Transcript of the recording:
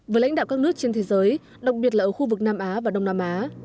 với lãnh đạo các nước trên thế giới đặc biệt là ở khu vực nam á và đông nam á